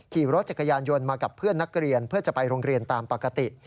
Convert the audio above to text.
ขี่รถจักรยานยนต์มากับเพื่อนนักเรียนเพื่อจะไปโรงเรียนตามปกติ